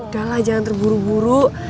udah lah jangan terburu buru